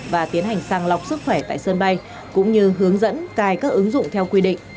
và tiến hành sang lọc sức khỏe tại sân bay cũng như hướng dẫn cài các ứng dụng theo quy định